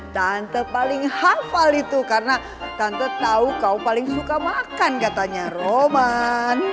tante paling hafal itu karena tante tahu kau paling suka makan katanya roman